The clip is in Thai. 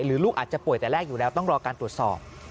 ลูกอาจจะป่วยแต่แรกอยู่แล้วต้องรอการตรวจสอบ